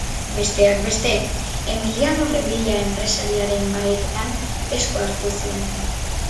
Besteak beste, Emiliano Revilla enpresariaren bahiketan esku hartu zuen.